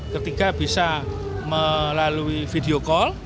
ketiga bisa melalui video call